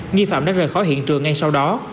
nghi phạm đã rời khỏi hiện trường ngay sau đó